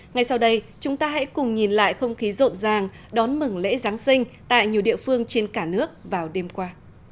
ngay sau đây chúng ta hãy cùng nhìn lại không khí rộn ràng đón mừng lễ giáng sinh tại nhiều địa phương trên cả nước vào đêm qua